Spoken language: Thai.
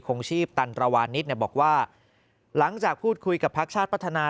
คงชีพตันตรวานิสบอกว่าหลังจากพูดคุยกับพักชาติพัฒนา